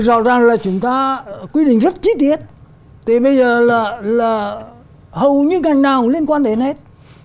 rõ ràng là chúng ta quy định rất chi tiết thì bây giờ là hầu như cái nào cũng liên quan đến hết